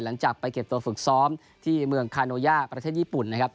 หลังจากไปเก็บตัวฝึกซ้อมที่เมืองคาโนยาประเทศญี่ปุ่นนะครับ